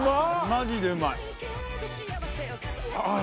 マジでうまい。